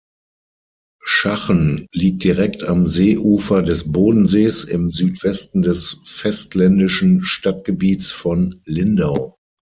Schachen liegt direkt am Seeufer des Bodensees im Südwesten des festländischen Stadtgebiets von Lindau.